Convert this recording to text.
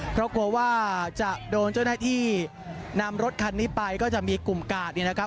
เพราะกลัวว่าจะโดนเจ้าหน้าที่นำรถคันนี้ไปก็จะมีกลุ่มกาดเนี่ยนะครับ